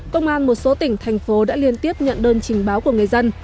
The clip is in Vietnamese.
công an một số tỉnh thành phố đã liên tiếp nhận đơn trình báo của người dân